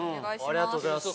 ありがとうございます